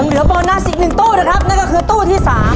แล้วก็คือตู้ที่๓